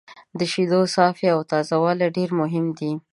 د شیدو صافي او تازه والی ډېر مهم دی.